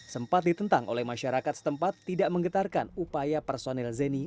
sempat ditentang oleh masyarakat setempat tidak menggetarkan upaya personil zeni